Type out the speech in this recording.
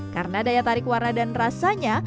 karena daya tarik warna dan rasanya